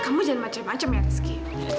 kamu jangan macam macam ya rizky